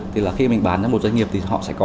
thì là khi mình bán cho một doanh nghiệp thì họ sẽ có